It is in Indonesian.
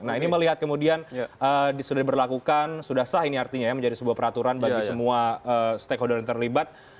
nah ini melihat kemudian sudah diberlakukan sudah sah ini artinya ya menjadi sebuah peraturan bagi semua stakeholder yang terlibat